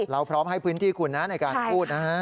เราพร้อมให้พื้นที่คุณนะในการพูดนะฮะ